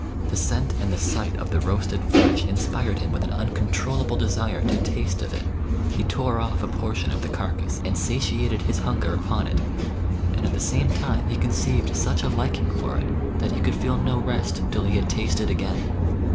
The scent and the sight of the roasted flesh inspired him with an uncontrollable desire to taste of it. He tore oflF a por A GALICIAN WERE WOLF. 249 tion of the carcase and satiated his hunger upon it, and at the same time he conceived such a liking for it, that he could feel no rest till he had tasted again.